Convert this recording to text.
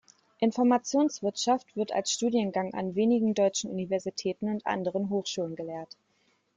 Informationswirtschaft wird als Studiengang an wenigen deutschen Universitäten und anderen Hochschulen gelehrt.